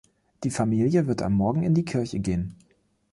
Die Familie wird am Morgen in die Kirche gehen.